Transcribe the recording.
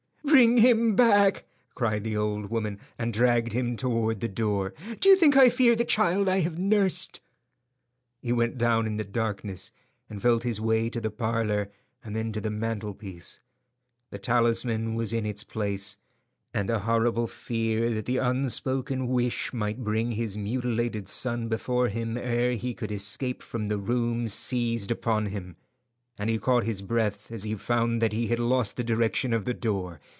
"Bring him back," cried the old woman, and dragged him toward the door. "Do you think I fear the child I have nursed?" He went down in the darkness, and felt his way to the parlour, and then to the mantelpiece. The talisman was in its place, and a horrible fear that the unspoken wish might bring his mutilated son before him ere he could escape from the room seized upon him, and he caught his breath as he found that he had lost the direction of the door.